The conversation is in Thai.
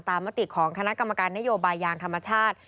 มติของคณะกรรมการนโยบายยางธรรมชาติ